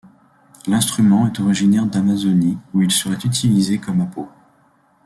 L'instrument est originaire d'Amazonie où il serait utilisé comme appeau.